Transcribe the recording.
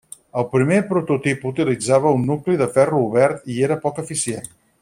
El primer prototip utilitzava un nucli de ferro obert i era poc eficient.